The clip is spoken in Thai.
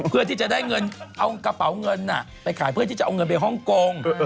เพื่อที่จะได้เงินเอากระเป๋าเงินไปขายเพื่อที่จะเอาเงินไปฮ่องกง